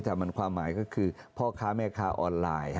แต่ความหมายก็คือพอค้าอเมริกาออนไลน์